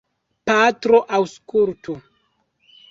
Patro, aŭskultu!